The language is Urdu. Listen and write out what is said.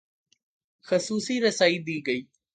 خصوصی رسائی دی گئی